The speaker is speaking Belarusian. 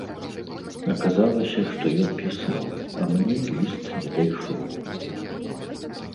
Аказалася, што ён пісаў, а мне ліст не дайшоў.